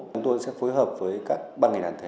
chúng tôi sẽ phối hợp với các ban ngành đàn thẻ